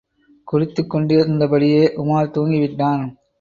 குடித்துக் கொண்டிருந்தபடியே உமார் தூங்கிவிட்டான்.